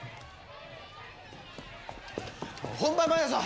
本番前だぞ！